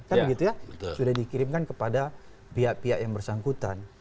kan begitu ya sudah dikirimkan kepada pihak pihak yang bersangkutan